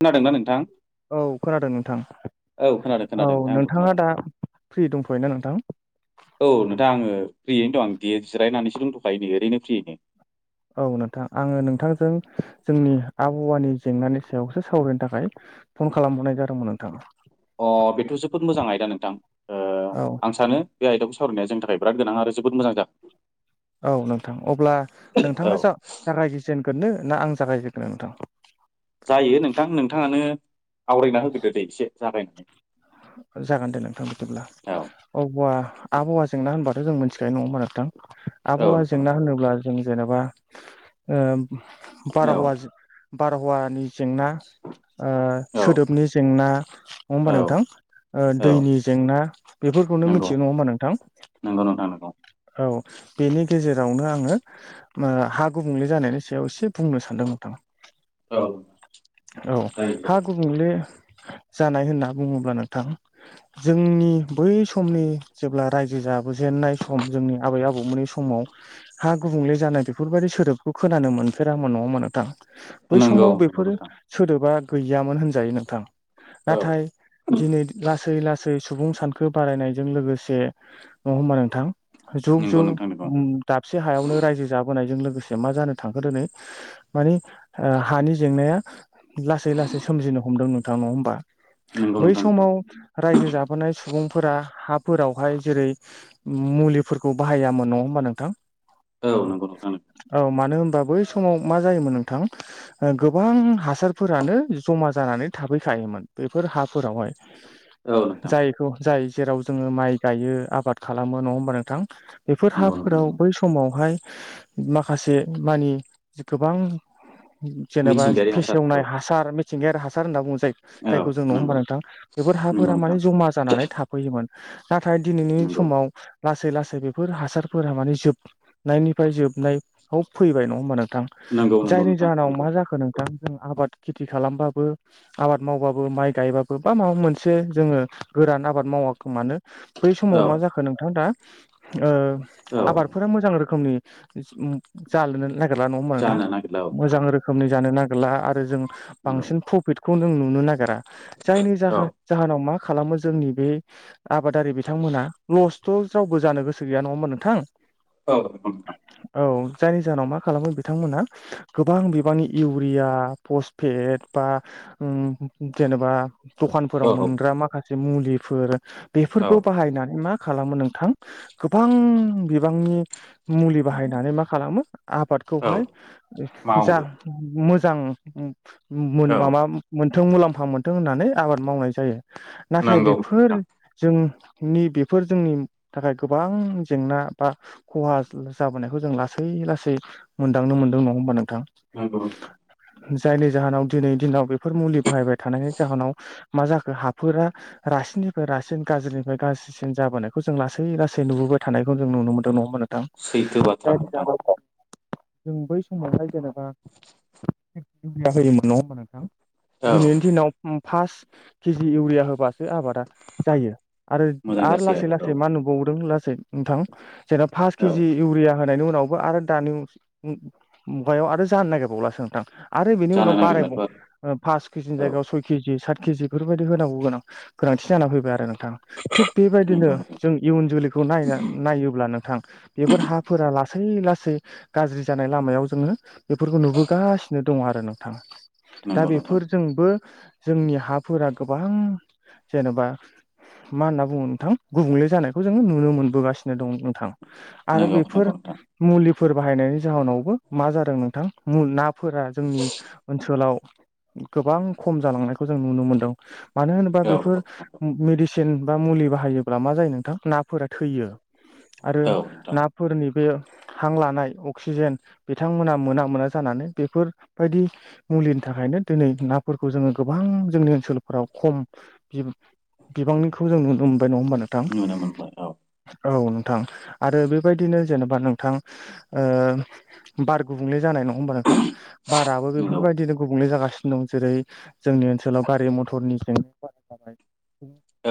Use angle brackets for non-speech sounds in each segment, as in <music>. खोनादोंना नोंथां औ खोनादों नोंथां औ खोनादों औ खोनादों नोंथां आंबो नोंथाङा खोनादों दा फ्रि दंथ'यो ना नोंथां औ नोंथां आङो फ्रियैनो दं दे जिरायनानैसो दंथ'खायोै ओरैनो फ्रियैनो औ नोंथां आङो नोंथांजों जोंनि आबहावानि जेंनानि सायावसो सावरायनो थाखाय फन खालामहरनाय जादोंमोन नोंथाङा अ बेथ' जोबोद मोजां आयदा नोंथां ओ औ आं सानो बे आयदाखौ सरायनाय जों थाखाय बिराद गोनां आरो जबोद मोजां जा औ नोंथां अब्ला औ नोंथाङा जा रायजोजेगोरनो ना आं जागायजेनो नोंथां जायो नोंथां नोंथाङानो आवरायना होग्रोदो दे एसे जागायनानै जागोन दे नोंथां बिदिब्ला औ अब्बा आबहावा जेंना होनबाथ' जों मिथिखायो नङा मा नोंथां औ आबहावा नंगौ जेंना नोंथां होनोब्ला जों जेनेबा ओ औ बारहावा बारहावानि जेंना ओ औ सोदोबनि जेंना नङा औ होमबा नोंथां? ओ औ दैनि जेंना बेफोरखौनो नंगौ मिथियो नङा होमबा नोंथां? नंगौ नोंथां नंगौ औ बेनि गेजेरावनो आङो ओ हा गुबुंले जानायनि सायाव सो बुंनो सानदों नोंथां औ औ जायो हा जायो। गुबुंले जानाय होनना बुङोब्ला नों थां जोंनि बै समनि जेब्ला रायजो जा बोजेननाय सम जोंनि आबै आबौमोननि समाव हा गुबुंले जानाय बेफोर बायदि सोदोबखौ खोनानो मोनफेरामोन नङा होमबा नोंथां? बै नंगौ समाव नंगौ बेफोरो नोंथां सोदोबा गैयामोन होनजायो नोंथां। औ नाथाय दिनै लासै - लासै सुबुं सानखो बारायनायजों लोगोसे नङा होमबा नोंथां? जुग - नंगौ जुग नोंथां नंगौ ओम दाबसे हायावनो रायजो जाबोनायजों लोगोसे मा जानो थांखो दोनै माने ओ हानि जेंनाया लासै - लासै सोमजिनो हमदों नोंथां नङा होमबा? नंगौ बै नोंथां नंगौ समाव रायजो जाबोनाय सुबुंफोरा हाफोरावहाय जेरै मुलिफोरखौ बाहायामोन नङा होमबा नोंथां? औ नंगौ नोंथां। औ मानो होनबा बै समाव मा जायोमोन नोंथां ओ गोबां हा सारफोरानो ज'मा जानानै थाफैखायोमोन बेफोर हाफोरावहाय औ नोंथां जाय <unintelligible> जाय जेराव जोङो माइ गायो आबाद खालामो नङा होमबा नोंथां? बेफोर नंगौ नोंथां हाफोराव नंगौ बै सम समावहाय माखासे मानि गोबां जेनेबा मिथिंगायारि हासार फेसेवनाय औ हा सार मिथिंगायारि हासार होनना बुङो जाय औ जायखौ जोङो नङा होनबा नंगौ नोंथां बेफोर नंगौ हाफोरा नोंथां माने ज' मा जानानै थाफैयोमोन नाथाय दिनैनि नंगौ समाव लासै - लासै बेफोर हासारफोरा माने जोबनायनिफ्राय जोबनायाव फैबाय नङा होमबा नोंथां? नंगौ नंगौ जायनि नोंथां जाहोनाव मा नंगौ जाखो नोंथां जों आबाद खेथि खालामबाबो आबाद मावबाबो माइ गायबा बो माबा मोनसे जोङो गोरान आबाद मावाथों मानो बै समाव औ माजा नोंथां दा ओ औ आबादफोरा मोजां रोखोमनि जालो गोरा नङा होनबा नोंथां जानो नागिरला औ मोजां नंगौ रो खोमनि जानो नागिरला आरो जों नंगौ बांसिन प्रफिटखौ नों नुनो नागिरा। जायनि औ जाहोन जाहोनाव मा खालामो जोंनि बे आबादारि बिथांमोना लसथ' रावबो जानो गोसो गैया नङा होनबा नोंथां? औ नोंगौ नोंथा। औ जायनि जाहोनाव मा खालामो बिथांमोनहा गोबां बिबांनि इउरिया, पसफेट बा ओम जेनेबा दखानफोराव औ औ मोनग्रा माखासे मुलिफोर औ बेफोरखौ बाहायनानै मा खालामो नोंथां गोबां बिबांनि मुलि बाहायनानै मा खालामो औ आबादखौहाय जा मावो मोजां मान औ माबा मोनथों मुलाम्फा मोनथों होननानै आबाद मावनाय जायो। नाथाय नंगौ नोंथां बेफोर जोंनि बेफोर जोंनि थाखाय गोबां जेंना बा खहा जाबोनायखौ जों लासै - लासै मोनदांनो मोनदों नङा होमबा नोंथां। <unintelligible> जायनि जाहोनाव दिनै दिनाव बेफोर मुलि बाहायबाय थानायनि जाहोनाव मा जाखो हाफोरा रासिननिफ्राय रासिन गाज्रिनिफ्राय गाज सिन जाबोनायखौ जों लासै - लासै नुबोबाय थानायखौ जों नुनो मोनदों नङा होमबा नों सैथो थां बाथ्रा जाय नोंथां <unintelligible> जों बै समावहाय जेनेबा इउरिया होयोमोन नङा होमबा नोंथां? औ दिनैनि दिनाव ओ फास केजि इउरिया होबासो आबादा जायो। आरो मोजां - आरो जासै लासै - लासै मा औ नुबावदों लासै नोंथां जेनब पास औ केजि इउरिया होनायनि उनावबो आरो दानि मुगायाव आरो जानो नागिरबावलासो नोंथां। आरो बेनि जानो उनाव नागिरलाथ' बारायबाव फास किजनि आरो औ जायगायाव सय केजि सात केजि बेफोरबायदि होनांगौ गोनां गोनांथि जाना फैबाय आरो नोंथाङा। थिग बेबायदिनो नंगौ नंगौ जों इयुन जोलैखौ नायना नायोब्ला नोंथां बेफोर हाफोरा लासै लासै गाज्रि जानाय लामायाव जोङो बेफोरखौ नुबोगासिनो दङ आरो नोंथाङा दा नंगौ नोंथां बेफोरजोंबो जोंनि हाफोरा गोबां जेनेबा मा होनना बुङो नोंथां गुबुंले जानायखौ जों नुनो मोनबोगासिनो दं थां आरो नंगौ नंगौ बेफोर नोंथां मुलिफोर बाहायनायनि जाहोनावबो मा जादों नोंथां नाफोरा जोंनि ओनसोलाव गोबां खम जालांनायखौ जों नुनो मोनदों मानो होनोबा औ बेफोर मेडिसिन बा मुलि बाहायोब्ला मा जायो नोंथां नाफोरा थैयो आरो औ नोंथां ना। फोरनि बे हां लानाय अक्सिजेन बिथांमोना मोना मोना जानानै बेफोरबायदि मुलिनि थाखायनो दिनै नाफोरखौ जोङो गोबां जोंनि ओनसोलफोराव खम बिबांनिखौ जों नुनो मोनबाय नङा होमबा। नोंथां नुनो मोनबाय औ। औ नोंथां आरो बेबायदिनो जेनेबा नोंथां। ओ बार गुबुंले जानाय नङा होमबा नों थां बाराबो नंगौ बेफोरबायदिनो गुबुंले जागासिनो दं जेरै जोंनि ओनसोलाव गारि मथरनि जेंनाया बारा जाबाय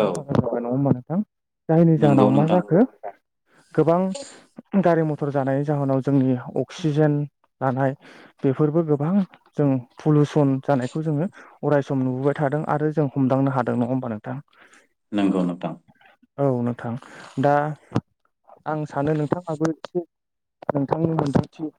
औ जाबाय नङा होमबा नोंथां? जायनि नंगौ जाहोनाव मा नोंथां जाखो गोबां गारि मथर जानायनि जाहोनाव जोंनि अक्सिजेन लानाय बेफोरबो गोबां जों पुलउसन जानायखौ जोङो अराय सम नुबोबाय थादों आरो जों हमदांनो हादों नङा होमबा नोंथां। नोंगौ नोंथां। औ नोंथां दा आं सानो नोंथाङोबो एसे नोंथांनि मोनदांथि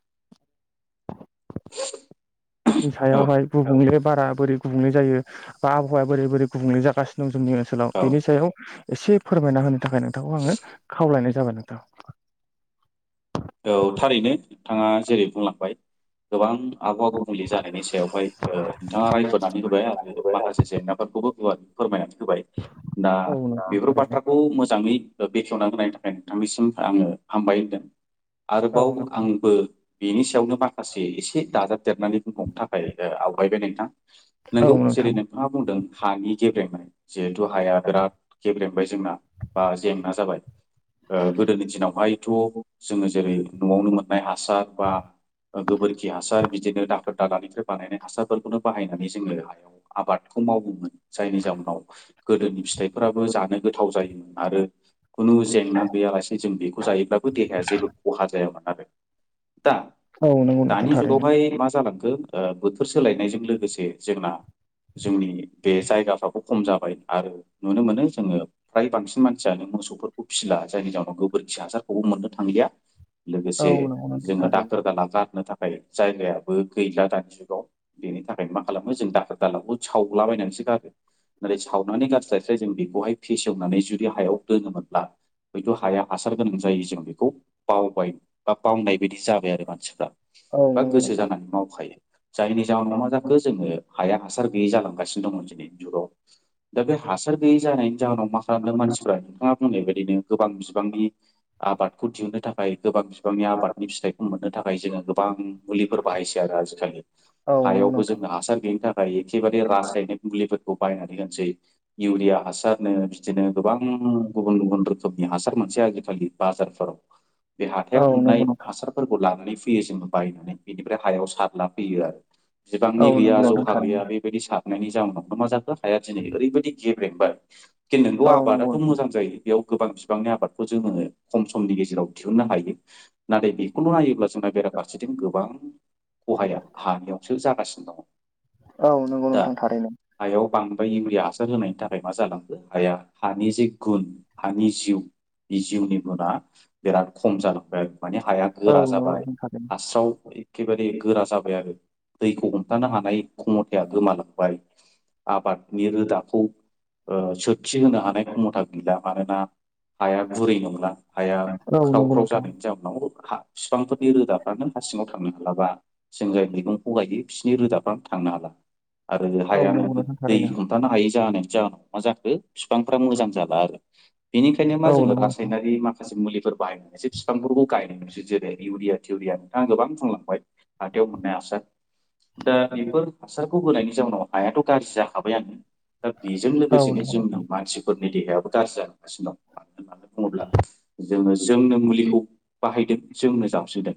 नि औ सायावहाय गुबुंले बारा बोरै गुबुंले जायो बा आबहावाया बोरै बोरै गुबुंले जागासिनो दं जोंनि ओनसोलाव औ बेनि सायाव एसे फोरमायना होनो थाखाय नोंथांखौ आङो खावलायनाय जाबाय नोंथां औ थारैनो नोंथाङा जेरै बुंलांबाय गोबां आबहावा गुबुंले जानायनि सायावहाय नोंथाङा रायफोरनानै होबाय आरो माखासे जेंनाफोरखौबो फोरमायनानै होबाय दा औ बेफोर नोंथां थारैनो बाथ्राखौ मोजाङै बेखेवना होनायनि थाखाय आंनिसिम आङो हामबाय होनदों औ आरोबाव नोंथां आंबो बेनि सायावनो माखासे एसे दाजाबदेरनानै बुंबावनो थाखाय आवगायबाय नोंथां औ नोंगौ जेरै नोंथां नों थाङा बुंदों हानि गेब्रेंनाय जिहेथु हाया बिराद गेब्रेंबाय जोंना बा जेंना जाबाय गोदोनि दिनावहायथ' जोङो जेरै न'आवनो मोननाय हासार बा गोबोरखि हासार बिदिनो दाखोर दालानिफ्राय बानायनाय हासारफोरखौनो बाहायनानै जोङो हायाव आबादखौ मावोमोन जायनि जाउनाव गोदोनि फिथाइफोराबो जानो गोथाव जायोमोन आरो खुनु जेंना गैयालासे जों बेखौ जायोब्लाबो दे हाया जेबो खहा जायामोन आरो दा औ नंगौ नोंथां दानि थारैनो जुगावहाय मा जालांखो ओ बोथोर सोलायनायजों लोगोसे जोंना जोंनि बे जायगाफ्राबो खम जाबाय आरो नुनो मोनो जोङो फ्राय बांसिन मानसियानो मोसौफोरखौ फिसिला जायनि जाउनाव गोबोरखि हासारखौबो मोननो थांलिया औ लोगोसे नंगौ नोंथां जोङो थारैनो दाखोर दाला गारनो थाखाय ओमफ्राय जायगायाबो गैला दानि जुगाव बेनि थाखाय मा खालामो जों दाखोर दालाखौ सावलाबायनानैसो गारो। नाथाय सावनानै गारस्लायस्लाय जों बेखौहाय फेसेवनानै जुदि हायाव दोङोमोनब्ला हयथ' हाया हासार गोनां जायो जों बे बावबाय बा बावनाय बायदि जाबाय आरो मानसिफ्रा औ बा नंगौ गोसो नोंथां जानानै मावखायो। जायनि जाहोनाव मा जाखो जोङो हाया हासार गैयै जालांगासिनो दं दिनैनि जुगाव। दा बे हासार गैयै जानायनि जाहोनाव मा खालामदों मानसिफोरा नोंथाङा बुंनाय बायदिनो गोबां बिबांनि आबाद खौ दिहुननो थाखाय गोबां बिबांनि आबादनि फिथाइखौ मोननो थाखाय जोङो गोबां मुलिफोर बाहायसै आरो आजिखालि। औ नंगौ हायावबो नोंथां जोंना हासार गैयिनि थाखाय एखेबारे रासायनिक मुलिफोरखौ बायनानै होनोसै। इउरिया हासारनो बिदिनो गोबां गुबुन गुबुन रोखोमनि हासार मोनसे आजिखालि बाजार <unintelligible> बे औ हाथायाव नंगौ मोननाय नोंथां हासार फोरखौ लानानै फैयो जोङो बायनानै बेनिफ्राय हायाव सारला फैयो आरो। औ बिबांनि गैया नंगौ नोंथां जखा गैया थारैनो बे बायदि सारनायनि जाउोनाव न मा जाखो हाया दिनै ओरैबायदि गेब्रेंबाय। <unintelligible> नोंगौ औ नंगौ आबादाथ' मोजां जायो बेयाव गोबां बिबांनि आबादखौ जोङो खम समनि गेजेराव दिहुननो हायो नाथाय बेखौल' नायोब्ला जोंना बेराफारसेथिं गोबां खहाया हानियावसो जागासिनो दङ। औ नंगौ दा नोंथां थारैनो। हायाव बांद्राय इउरिया हासार होनायनि थाखाय मा जालांखो हाया हानि जे गुन हानि जिउ बे जिउनि गुना बेराद खम जालांबाय आरो माने हाया औ गोरा नंगौ जाबाय नोंथां थारैनो हास्राव एखेबारे गोरा जाबाय आरो दैखौ हमथानो हानाय खमथाया गोमालांबाय। आबादनि रोदाखौ ओ सोरखि होनो हानाय खमथा गैला मानोना हाया गुरै नंला। हाया औ ख्राव नंगौ ख्राव नोंथां जानायनि जाउनाव हा बिफांफोरनि रोदाफ्रानो हा सिङाव थांनो हालाबा जों जाय मैगंखौ गायो बिसिनि रोदाफ्रानो थांनो हाला आरो औ हायानो नंगौ नोंथां दै थारैनो हम थानो हायि जानायनि जाहोनाव मा जाखो बिफांफ्रा मोजां जाला आरो। बेनिखायनो मा औ जोङो नंगौ नोंथां रासायनारि मा खासे मुलिफोर बाहायनाय एसे बिफांफोरखौ गायनायसै जेरै इउरिया थिउरिया नोंथाङा गोबां बुंलांबाय। हथाययाव मोननाय हासार दा बेफोर हासारखौ होनायनि जाउनाव हायाथ' गाज्रि जाखाबायआनो। दा बिजों औ लोगोसेनो नंगौ जोंनि नोंथां मानसिफोरनि देहायाबो गाज्रि जालांगासिनो दं मानो होननानै बुङोब्ला जोङो जोंनो मुलिखौ बाहायदों जोंनो जाबस्रिदों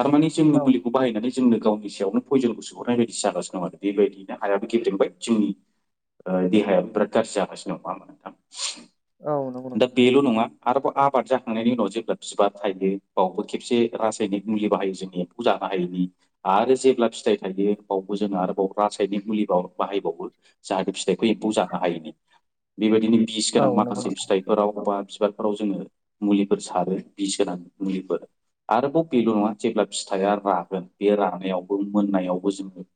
थारमानि जोंनो औ मुलिखौ बाहायनानै जोंनो गावनि सायावनो पयजनखौ सुहरनाय बायदि जागासिनो दं आरो बेबायदिनो हायाबो गेब्रेंबाय जोंनि ओ देहायाबो बिराद गाज्रि जागासिनो दङ नङा होमबा नोंथां? औ नंगौ नं दा बेल' नङा आरबाव आब बाद जाखांनायनि उनाव जेब्ला बिबार थायो बावबो खेबसे रासायनिक मुलि बाहायो जोंनि एम्फौ जानो हायैनि। आरो जेब्ला फिथाइ थायो बावबो जोङो आरोबाव रासायनिक मुलिबाव बाहायबावो जाहाथे फिथाइ खौ जानो हायैनि बेबायदिनो बिस औ गोनां नंगौ माखासे नोंथां फिथाइफोराव बा बिबारफोराव जोङो मुलिफोर सारो बिस गोनां मुलिफोर। आरोबाव बेल' नङा जेब्ला फिथाइआ रागोन बे रानायावबो मोननायावबो जोङो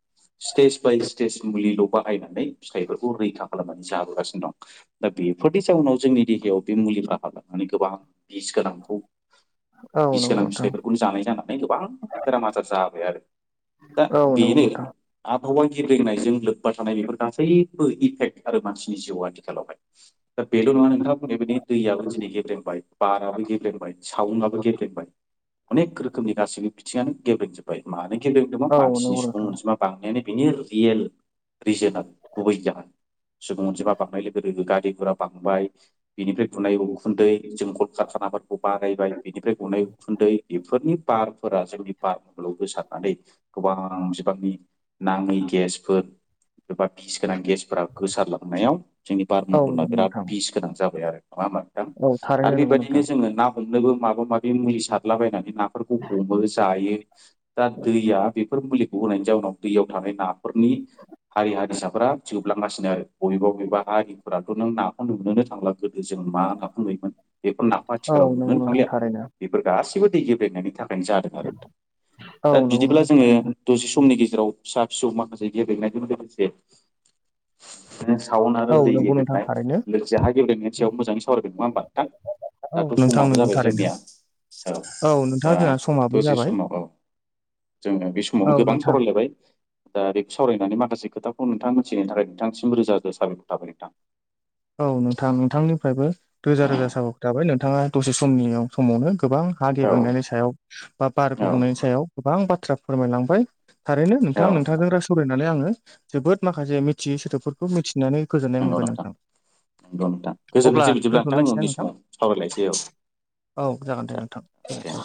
स्टेज बाय स्टेज मुलिल' बाहायनानै फिथाइफोरखौ रैखा खालामनानै जाबोगासिनो दं। दा बेफोरनि जाउनाव जोंनि देहायाव बे मुलि राहा लानानै गोबां बिस गोनांखौ औ बिस नंगौ गोनां नोंथां फिथाइफोरखौनो जानाय जाना नै गोबां बेराम आजार जाबाय आरो दा औ नंगौ बेनो नोंथां आबहावा गेब्रेंनायजों लोब्बा थानाय बेफोर गासैबो इफेक्ट आरो मानसिनि जिउ आथिखालावहाय। दा बेल' नङा नोंथाङा बुंनायबायदि दैयाबो जोंनि गेब्रेंबाय। बाराबो गेब्रेंबाय सावनआबो गेब्रेंबाय अनेक रोखोमनि गासैबो बिथिङानो गेब्रेंजोब बाय मानो <unintelligible> औ नंगौ मानसिनि नोंथां सुबुं अनजिमा बांनायानो बिनो रियेल रिजोनआ गुबै जाहोन। सुबुं अनजिमा बांनाय लोगो लोगो गारि घरा बांबाय बेनिफ्राय <unintelligible> उखुन्दै जों कल कारखानाफोरखौ बानायबाय बेनिफ्राय गनाय उखुन्दै बेफोरनि बारफोरा जोंनि बार मण्डलाव गोसारनानै गोबां बिबांनि नाङै गेसफोर एबा बिस गोनां गेसफोरा गोसारलांनायाव जोंनि औ बारमन्दला नंगौ बेराद नोंथां बिस गोनां जाबाय आरो नङा नोंथां? औ थारैनो आरो नंगौ बेबायद नोंथां जोङो ना हमनोबो माबा माबि मुलि सारलाबायनानै नाफोरखौ हमो जायो दा दैया बेफोर मुलिखौ होनायनि जाउनाव दैयाव थानाय नाफोरनि हारि हारिसाफोरा जोबलांगासिनो आरो बबेबा बबेबा हारिफोराथ' नों नाखौ नुुनोनो थांला गोदो जों मा नाखौ नुयोमोन बेखौ नाखौ आ औ थिखाराव नंगौ नुनोनो नोंथां थांलिया थारैनो बेफोर गासैबो दै गेब्लेनायनि थाखायनो जादों आरो औ दा नंगौ बिदिब्ला नोंथां जोङो थारैनो दसे समनि गेजेराव फिसा फिसौ माखासे गेलेनायजों लोगोसे साउन्ड आरो औ दै नंगौ नोंथां गेदेरनाय थारैनो लोगोसे हा गेबेनायनि सायाव मोजाङै सावरायगोन नङा होमबा नोंथां औ दाथ' नोंथां समाबो नंगौ जाबाय थारैनो जोंनिया औ नोंथां दा जोंहा समाबो दसे जाबाय समाव औ जोङो बे समावनो औ गोबां नोंथां सावरायलायबाय दा बेेक्ट सावराय मासे खोथाखौ नोंथां मिथिनो थाखाय नोंथांसिम रोजा रोज साबखर थाबाय नोंथां। औ नोंथां नोंथांनिफ्रायबो रोजा रोजा साबायखर थाबाय नोंथाङा दसे समनि समावनो गोबां औ हागेबेंनायनि सायाव बा बार औ गुबुंनायनि सायाव गोबां बाथ्रा फोरमायलांबाय थारैनो औ नोंथां नोंथांजों रा सावरायनानै आङो जोबोद माखासे मि मिथियि सोदोबफोरखौ मिथिनानै गोजोननाय मोनबाय नोंथां <unintelligible> अब्ला गोजोननायसै बिदिब्ला नोंथां दोनथ'लायसैना उननि समाव सावरायलायनोसै औ औ जागोन दे जा नोंथां। दे।